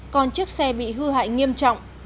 còn chiếc xe bị hư hại nghiêm trọng